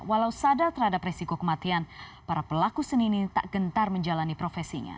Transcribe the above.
walau sadar terhadap resiko kematian para pelaku seni ini tak gentar menjalani profesinya